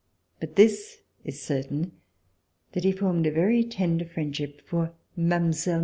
But this is certain, that he formed a very tender friendship for Mile.